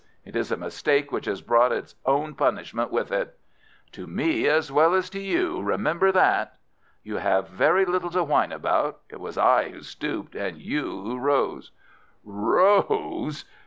It is a mistake which has brought its own punishment with it." "To me as well as to you. Remember that!" "You have very little to whine about. It was I who stooped and you who rose." "Rose!"